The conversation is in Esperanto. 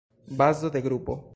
Bazo de grupo.